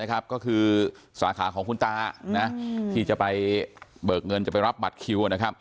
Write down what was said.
ก็คือสาขาของคุณตาที่จะไปเบิกเงินจะไปรับบัตรคิว